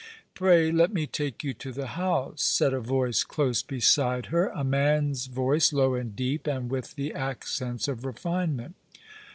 " Pray let me take you to the house," said a voice close beside her, a man's voice— low and deep, and with the accents of refinement.